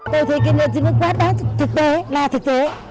tôi thấy cái nước trái nước quá đáng thực tế là thực tế